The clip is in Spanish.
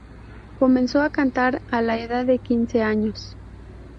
Comenzó a cantar a la edad de quince años.